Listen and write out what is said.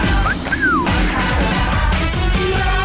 สวัสดีครับ